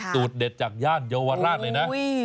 สูตรเด็ดจากย่านเยาวราชเลยนะ